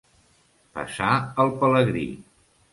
Passar el pelegrí.